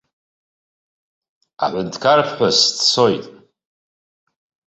Аҳәынҭқарԥҳәыс дцоит.